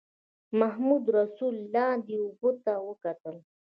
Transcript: محمدرسول لاندې اوبو ته وکتل.